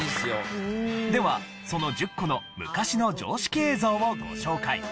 ではその１０個の昔の常識映像をご紹介。